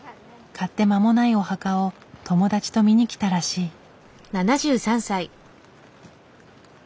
買って間もないお墓を友達と見に来たらしい。